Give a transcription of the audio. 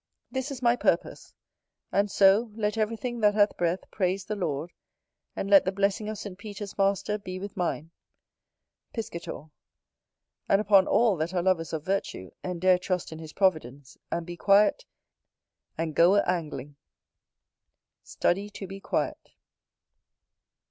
This is my purpose; and so, let everything that hath breath praise the Lord: and let the blessing of St. Peter's Master be with mine. Piscator. And upon all that are lovers of virtue; and dare trust in his providence; and be quiet; and go a Angling. "Study to be quiet."